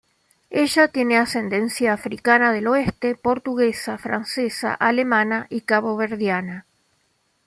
Ella tiene ascendencia Africana del oeste, Portuguesa, Francesa, Alemana y Caboverdiana.